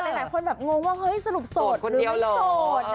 หลายคนอยากงงว่าสะลูกโสดหรือไม่โสด